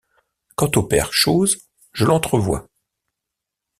Quant au père Chose, je l’entrevois.